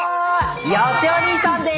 よしお兄さんでーす！